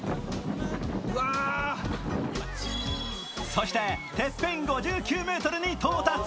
そして、てっぺん５９ｍに到達。